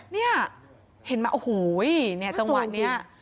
นี่เห็นไหมโอ้โฮจังหวะนี้